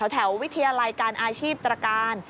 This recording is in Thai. แถววิทยาลัยการอาชีพตรการ